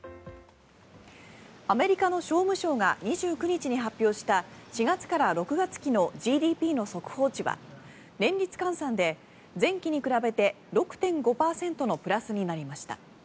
アメリカの商務省が２９日に発表した４月から６月期のＧＤＰの速報値は年率換算で前期に比べて６．５％のプラスになりました。